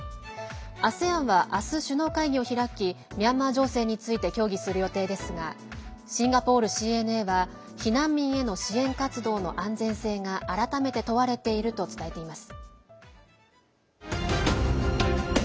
ＡＳＥＡＮは明日首脳会議を開きミャンマー情勢について協議する予定ですがシンガポールＣＮＡは避難民への支援活動の安全性が改めて問われていると伝えています。